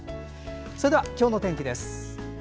それでは今日の天気です。